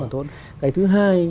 càng tốt cái thứ hai